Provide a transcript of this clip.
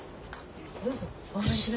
どうぞお入りください。